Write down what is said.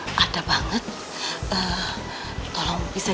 pertama pelajaran rebel